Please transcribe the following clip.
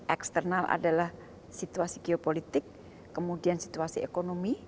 eksternal adalah situasi geopolitik kemudian situasi ekonomi